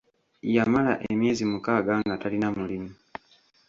Yamala emyezi mukaaga nga talina mulimu!